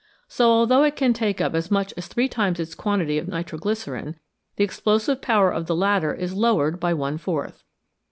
So, although it can take up as much as three times its quantity of nitro glycerine, the explosive power of the latter is lowered by one fourth.